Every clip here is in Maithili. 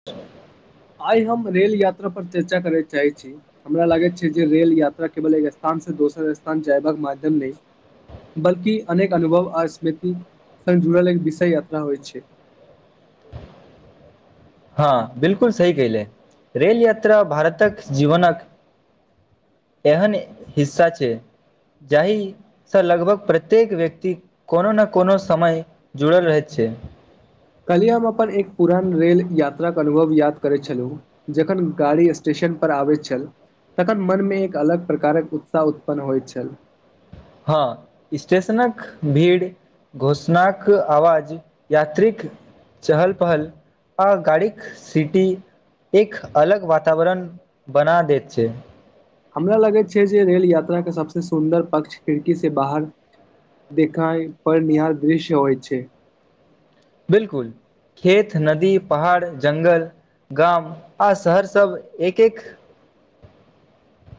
[inaudible] आइ हम रेल यात्रा पर चर्चा करे चाहे छी। हमरा लागैत छै जे रेल यात्रा केवल एक स्थान से दोसर स्थान जयबाक माध्यम नहि। बल्कि अनेक अनुभव आ स्मृति स जुड़ल एक विषय यात्रा होइ छै। हँ बिलकुल सही कहिले रेल यात्रा भारतक जीवनक। एहन हिस्सा छै जाहि। से लगभग प्रत्येक व्यक्ति कोनो ने कोनो समय जुड़ल रहैत छै। कल्हि हम अपन एक पुरान रेल यात्राके अनुभव याद करैत छलहुँ। जखन गाड़ी स्टेशन पर आबैत छल। तखन मनमे एक अलग प्रकारक उत्साह उत्पन्न होइत छल। हँ स्टेशनक भीड़। घोषणाक आवाज यात्रिक। चहल-पहल आ गाड़ीक सीटी। एक अलग वातावरण बना देैत छै। हमरा लगैत छै जे रेल यात्रा के सबसे सुन्दर पक्ष खिड़की से बाहर। देखाय पर निहार दृश्य होइ छै। बिल्कुल खेत, नदी, पहाड़, जंगल। गाम आ शहर सभ एक-एक।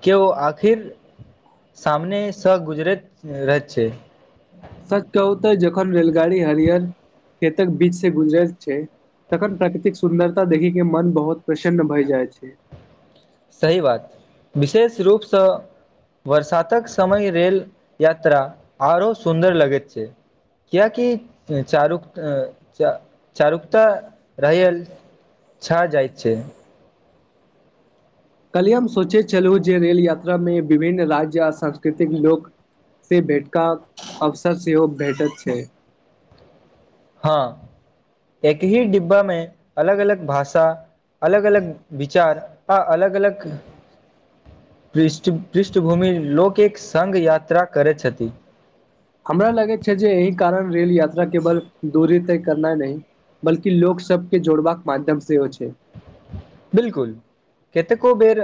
केओ आखिर सामनेसँ गुजरैत रहैत छै। सच कहू तऽ जखन रेलगाड़ी हरियर खेतक बीच से गुजरैत छै। तखन प्राकृतिक सुन्दरता देखी के मन बहुत प्रसन्न भय जाइ छै। सही बात विशेष रूपसँ। वर्षातक समय रेल यात्रा आरो सुन्दर लगैत छै। किएकि चारुक्त च चारुकता रहैए। छा जाइत छै। कलहिये हम सोचैत छलु जे रेल यात्रामे विभिन्न राज्य आ सांस्कृतिक लोक। से भेटका अवसर सेहो भेटैत छै। हँ एक ही डिब्बामे अलग अलग भाषा अलग अलग विचार आ अलग अलग पृष्ठ पृष्ठभूमि लोक एक सङ्ग यात्रा करैत छथि। हमरा लगैत छै जे एहि कारण रेल यात्रा केवल दूरी तय करनाइ नहि। बल्कि लोक सबके जोड़बाक माध्यम सेहो छै। बिल्कुल कतेको बेर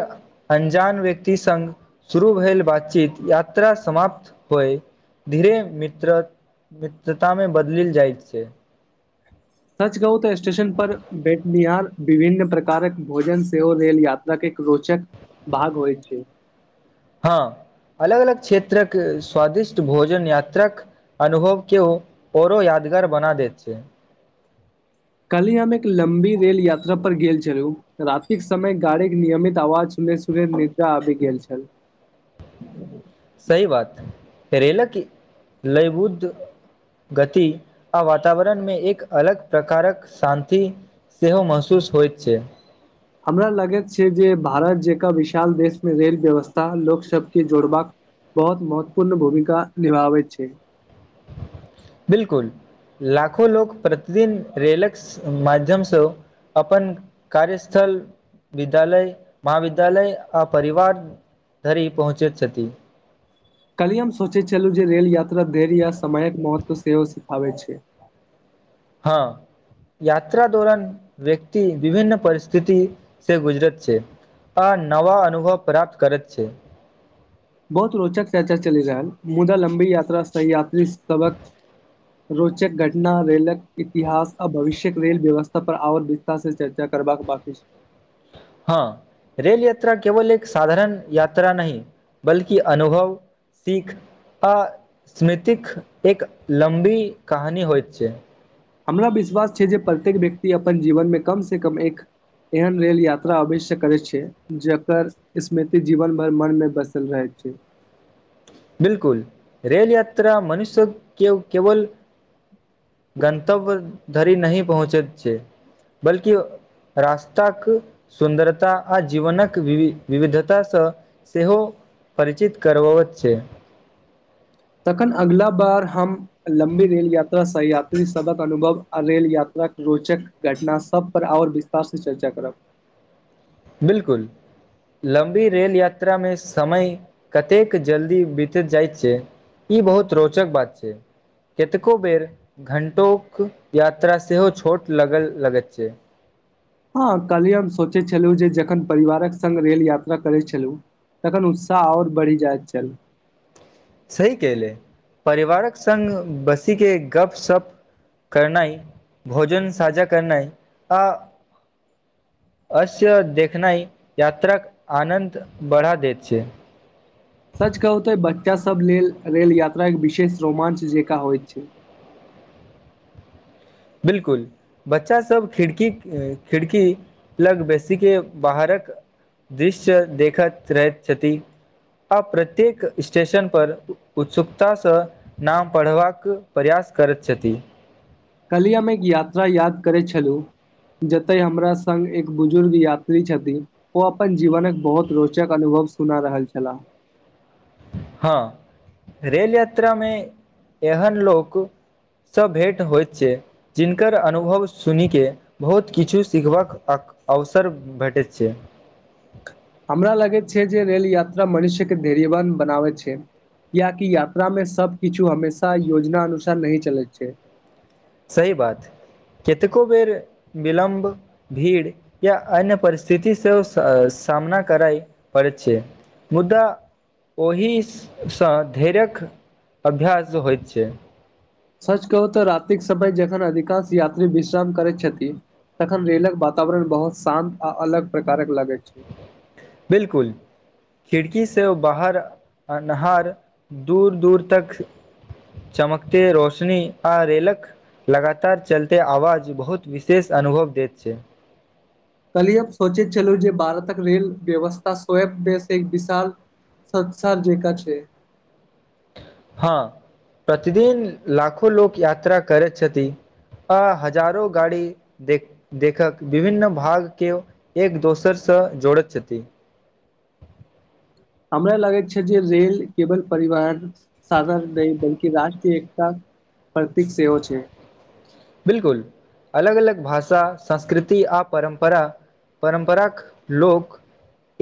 अनजान व्यक्ति संग। शुरू भेलल बातचीत यात्रा समाप्त होइ धीरे मित्र। मित्रता मे बदल जाइत छै। सच कहु तऽ स्टेशन पर भेटनिहार विभिन्न प्रकारक भोजन सेहो। रेल यात्रा एक रोचक भाग होइ छै। हँ अलग अलग क्षेत्रक स्वादिष्ट भोजन यात्रक अनुभव केओ औरो यादगार बना दैत छै। काल्हि हम एक लम्बी रेल यात्रा पर गेल छलु। राातिक समय गाड़ी के नियमित आवाज सुनने से खुबे निंदा आबि गेल छल। सही बात रेेलक लै बुद्ध। गति आ वातावरणमे एक अलग प्रकारक शान्ति। सेहो महसूस होइत छै। हमरा लगैत छै। जे भारत जकाँ विशाल देशमे रेल व्यवस्था लोक सबके जोड़बाक बहुत महत्वपूर्ण भूमिका निभाबै छै। बिल्कुल लाखो लोक प्रतिदिन रेलक माध्यमसँ अपन कार्यस्थल विद्यालय महाविद्यालय आ परिवार धरी पहुँचैत छथि। कल्हि हम सोचैत छलहुँ जे रेल यात्रा धै्य या समयक महत्व सेहो सिखाबैत छै। हँ। यात्रा दौरान व्यक्ति विभिन्न परिस्थिति से गुजरत छै। आ नव अनुभव प्राप्त करैत छै। बहुत रोचक चर्चा चलि रहल मुदा लम्बी यात्रा सऽ यात्री सबक रोचक घटना रेलक इतिहास आ भविष्य्यक रेल व्यवस्था पर आओर भी से चर्चा करबाक बाकि हँ। रेल यात्रा केवल एक साधारण यात्रा नहि बल्कि अनुभव सीख। आ स्मृतिक एक लम्बी कहानी होइत छै। हमरा विश्वास छै जे प्रत्येक व्यक्ति अपन जीवनमे कम से कम एक एहन रेल यात्रा अवश्य करै छै। जकर स्मृति जीवन भर मन मऽ बसल रहै छै। बिल्कुल रेेल यात्रा मनुष्यो के केवल गन्तव्य धरि नहि पहुँचैत छै। बल्कि रास्ताक सुन्दरता आ जीवनक विि विविधताँ स सेहो परिचित करवात छै। तखन अगिला बार हम लम्बी रेल यात्रा सह यात्री सबक अनुभव आ रेल यात्रा रोचक- घटना सबपर आओर विस्तारसँ चर्चा करब। बिल्कुल। लम्बी रेल यात्रामे समय कतेक जल्दी बीत जाइत छै। ई बहुत रोचक बात छै। कतेको बेर घण्टोक यात्रा सेहो छोट लग लगैत छैय हँ कल्हि हम सोचै छलहुँ जे जखन परिवारक संग रेल यात्रा करै छलहुँ तखन उत्साह ओर बढ़ि जायत छल सही केहलै परिवारक संग बसीके गप सप करनाइ भोजन साझा करनाइ आ असय देखनाइ यात्राक आनन्द बढ़ा दैत छै सच कहु तऽ बच्चा सब लेल रेल यात्रा एक विशेष रोमांच जेका होइत छै बिल्कुल बच्चा सब खिड़की खिड़की लग बेसीे बाहरक दृश्य देखैत रहैत छथि आ प्रत्येक स्टेशन पर उत्सुकता सँ नाम पढ़बाक प्रयास करैत छथि काल्हि हम एक यात्रा याद करै छलहुँ जते हमरा सग एक बुजुर्ग यात्री छथिन ओ अपन जीवनक बहुत रोचक अनुभव सुना रहल छलाह हँ रेल यात्रा में एहन लोक सब भेंट होइत छै जिनकर अनुभव सुनिके बहुत किछु सिखबाक अक अवसर भेटैत छै हमरा लगै छै जे रेल यात्रा मनुष्य के धैर्यवान बनाबै छै कियाकि यात्रामे सब किछु हमेशा योजना अनुसार नहि चलैत छै सही बात कतेको बेर विलम्ब भीड़ या अन्य परिस्थिति सेहो स सामना करइ पड़ै छै मुद्दा ओहिसँ धैरक अभ्यास होइत छै सच कहु तऽ रातिक समय जखन अधिकांश यात्री विश्राम करैत छथि तखन रेलक वातावरण बहुत शान्त आ अलग प्रकारक लगैत छैय बिल्कुल खिड़की से बाहर अन्हार दूर दूर तख चमकते रोशनी आ रेलक लगातार चलते आवाज बहुत विशेष अनुभव दैत छै कल्हि हम सोचैत छलहु जे भारतक रेल व्यवस्था स्वयस एक विशाल संसार जेका छैय हँ प्रतिदिन लाखो लोक यात्रा करैत छथि आ हजारो गाड़ी देख देखक विभिन्न भाग के एक दोसर सँ जोड़ैत छथि हमरा लगैत छै जे रेल केवल परिवहन साधन नहि बल्कि राष्ट्रीय एकता प्रतीक सेहो छै बिल्कुल अलग अलग भाषा संस्कृति आ परम्परा परमपराक लोग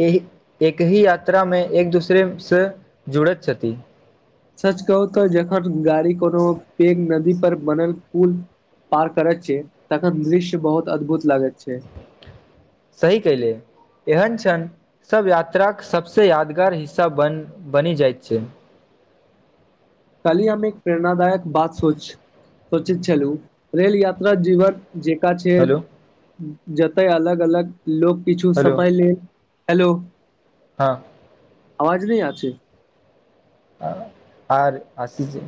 एहि एकहि यात्रामे एक दूसरे सँ जुड़ैत छथि सच कहु तऽ जखन गाड़ी कोनो पेघ नदी पर बनल पुल पार करे छीयै तखन दृश्य बहुत अदभुत लागैत छै सही कैहले एहन छन सब यात्राक के सबस यादगार हिस्सा बन बनि जाइत छै कल्हि हम एक प्रेरणादायक बात सोच सोचैत छलहु रेल यात्रा जीवन जेंका छै हेलो जतय अलग अलग लोक किछु हेलो समय लेल हेलो हाँ अवाज नहि आ छै आ-आर आसी छै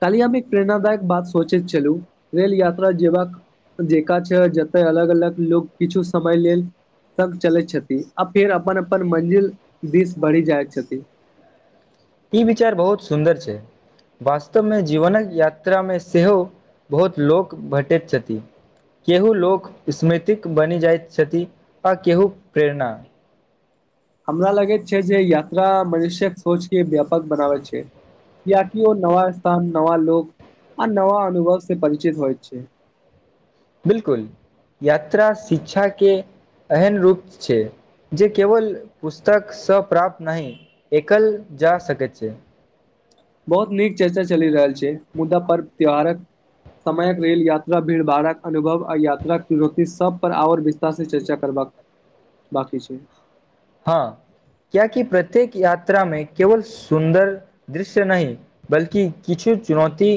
काल्हि हम एक प्रेरणादायक बात सोचैत छलहुँ रेल यात्रा जेबाक जेका छै जते अलग अलग लोग किछु समय लेल तक चलैत छथि आ फेर अपन अपन मंजिल दिस बढि जाइ छथिन ई विचार बहुत सुन्दर छै वास्तवमे जीवनक यात्रामे सेहो बहुत लोक भेटैत छथिन केहू लोक स्मृतिक बनि जाइत छथि आ केहू प्रेरणा हमरा लगैत छै जे यात्रा मनुष्यक सोचके व्यापक बनाबै छै कियाकि ओ नवा स्थान नवा लोक आ नवा अनुभव से परिचित होइ छै बिल्कुल यात्रा शिक्षाके एहन रूप छै जे केवल पुस्तकसँ प्राप्त नहि एकल जा सकैत छै बहुत नीक चर्चा चलि रहल छै मुद्दा पर्व त्यौहारक समयक रेल यात्रा भीड़ भाड़क अनुभव आ यात्राक चुनौती सब पर आओर वि्त- -सतारसँ चर्चा करबाक बांकी छै हाँ कियाकि प्रत्येक य्रात्रामे केवल सुन्दर दृश्य नहि बल्कि किछु चुनौती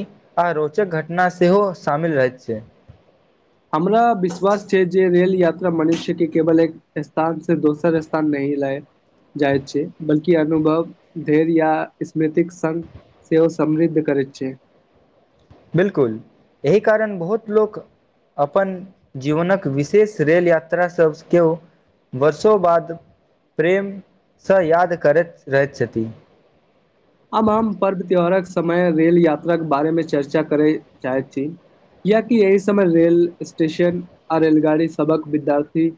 आ रोचक घटना सेहो शामिल रहैत छै हमरा विश्वास छै जे रेल यात्रा मनुष्यके केवल एक स्थान से दोसर स्थान नहि लए जाइत छै बल्कि अनुभव धैर्य या स्मृतिक संग सेहो समृद्ध करै छै बिल्कुल एहि कारण बहुत लोक अपन जीवनक विशेष रेल यात्रा सभ केयौ वर्षो बाद प्रेमसँ याद करैत रहैत छथि आब हम पर्व त्योहारक समय रेल यात्राक बारेमे चर्चा करै चाहैत छी कियाकि एहि समय रेल स्टेशन आ रेलगाड़ी सबक विद्यार्थी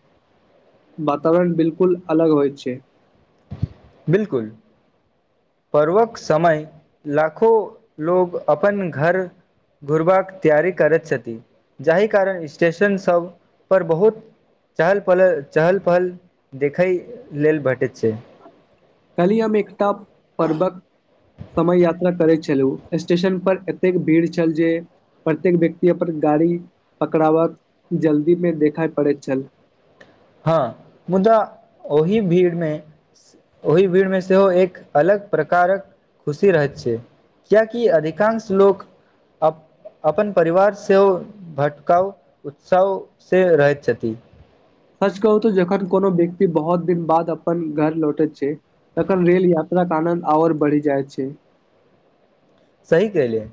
वातावरण बिल्कुल अलग होइ छै बिल्कुल पर्वक समय लाखों लोग अपन घर घूरबाक तैयारी करैत छथि जाहि कारण स्टेशनसभ पर बहुत चहल पल-चहल पहल देखै लेल भेटैत छै काल्हि हम एकटा पर्वक समय यात्रा करैत छलहूँ स्टेशन पर एतेक भीड़ छल जे प्रत्येक व्यक्ति अप्पन गाड़ी पकड़ावाक जल्दीमे देखाइ पड़ैत छल हाँ मुदा ओहि भीड़मे ओहि भीड़मे सेहो एक अलग प्रकारक खुशी रहैत छै कियाकि अधिकांश लोक अब अपन परिवार सेहो भटकाव उत्साह से रहैत छथि सच कहूँ तो जखन कोनो व्यक्ति बहुत दिन बाद अपन घर लौटे छै तखन रेल यात्रा यात्राक आनन्द आओर बढ़ि जाइ छै सही कहलियै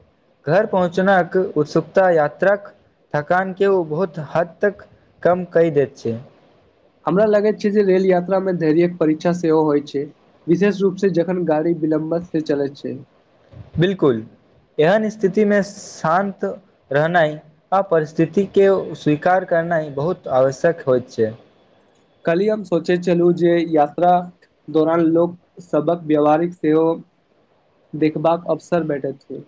घर पहुँचवाक उत्सुकता यात्राक थकानके ओ बहुत हद तक कम कइ दैत छै हमरा लगैत छै जे रेल यात्रा मे धैर्य्यक परीक्षा सेहो होइ छै विशेष रूप से जखन गाड़ी विलम्ब से चलैत छै बिलकुल एहन स्थिति में शान्त रहनाइ आ परिस्थिति के स्वीकार करनाइ बहुत आवश्यक होइत छै काल्हि हम सोचै छलू जे यात्रा दौरान लोक सबहक व्यवहारिक सेहो देखबाक अवसर भेठैत छै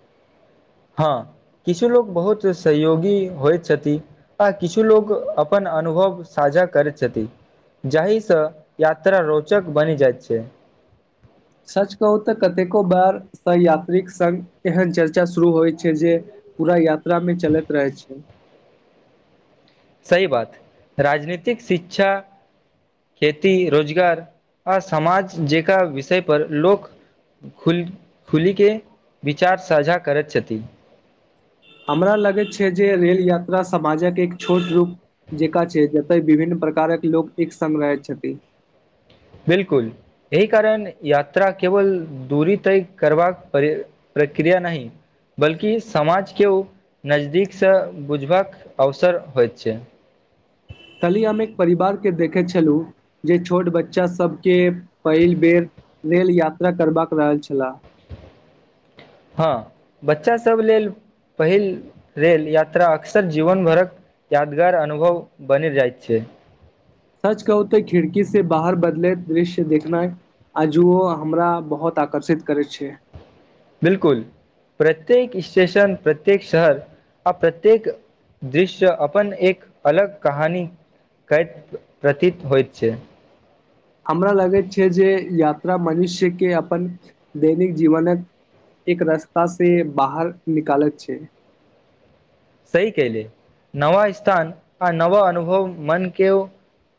हँ किछु लोक बहुत सहयोगी होइत छथि आ किछु लोक अपन अनुभव साझा करैत छथि जाहि सँ यात्रा रोचक बनि जाइत छै सच कहू तऽ कतेको बेार सह यात्रीक सङ्ग एहन चर्चा शुरू होइत छै जे पूरा यात्रा में चलैत रहै छै सही बात राजनीतिक शिक्षा खेती रोजगार आ समाज जेका विषय पर लोक खल खुलीके विचार साझा करैत छथि हमरा लगैत छै जे रेल यात्रा समाजक एक छोट रूप जेका छै जतय विभिन्न प्रकारक लोक एक संग‌ रहैत छथि बिल्कुल एहि कारण यात्रा केवल दूरी तय करबाक प्रक्रिया नहि बल्कि समाज के ओ नजदीक सँ बुझबाक अवसर होइत छैय काल्हि हम एक परिवार के देखैत छलहुँ जे छोट बच्चा सबके पहिल बेर रेल यात्रा करबाका रहल छलाह हँ बच्चासभ लेल पहिल रेल यात्रा अक्सर जीवन भरक यादगार अनुभव बनि जाइत छैय सच कहूते खिड़की से बाहर बदले दृश्य देखनाए आ जुओ हमरा बहुत आकर्षित करे छैय बिलकुल प्रत्येक स्टेशन प्रत्येक शहर आ प्रत्येक दृश्य अपन एक अलग कहानी करैत प्रतीत होइत छै हमरा लगैत छै जे यात्रा मनुष्य के अपन दैनिक जीवनक एक रास्ता से बाहर निकालैत छै सही केहले नवा स्थान आ नव अनुभव मन के